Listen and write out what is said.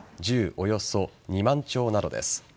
およそ２万丁などです。